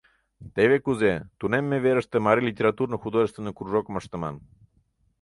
Теве кузе: тунемме верыште марий литературно-художественный кружокым ыштыман.